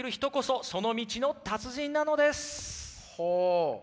ほう。